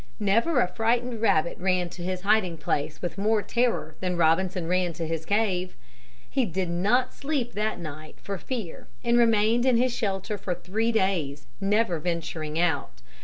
Never a frightened rabbit ran to his hiding place with more terror than Robinson ran to his cave. He did not sleep that night for fear and remained in his shelter for three days, never venturing out.